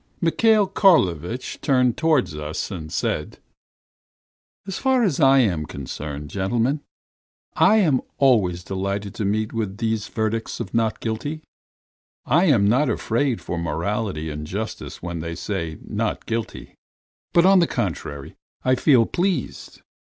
Mihail Karlovitch turned towards us and said: "As far as I am concerned, gentlemen, I am always delighted to meet with these verdicts of not guilty. I am not afraid for morality and justice when they say 'Not guilty,' but on the contrary I feel pleased.